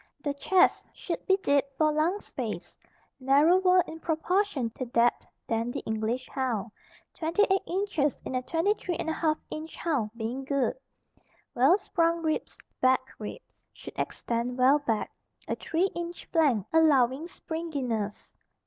The chest should be deep for lung space, narrower in proportion to depth than the English hound, 28 inches in a 23 1/2 inch hound being good. Well sprung ribs, back ribs should extend well back, a three inch flank allowing springiness.